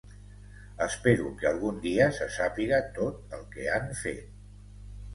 Espero que algun dia se sàpiga tot el que han fet.